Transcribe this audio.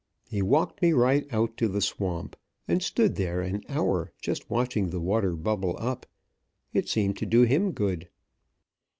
He walked me right out to the swamp, and stood there an hour just watching the water bubble up. It seemed to do him good.